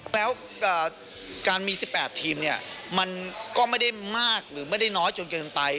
แล้วการมี๑๘ทีมเนี่ยมันก็ไม่ได้มากหรือไม่ได้น้อยจนเกินไป